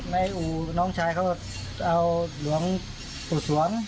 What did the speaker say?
ในอู่น้องชายเขาเอาหลวงปุศวง